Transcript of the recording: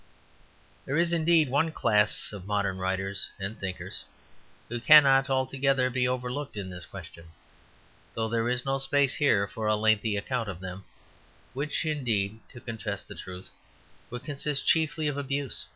There is, indeed, one class of modern writers and thinkers who cannot altogether be overlooked in this question, though there is no space here for a lengthy account of them, which, indeed, to confess the truth, would consist chiefly of abuse.